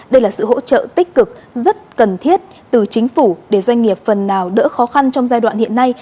đây là sự hỗ trợ tích cực rất cần thiết từ chính phủ để doanh nghiệp phần nào đỡ khó khăn trong giai đoạn hiện nay